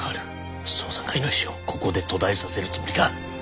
双三会の意志をここで途絶えさせるつもりか！